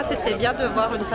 saya suka musik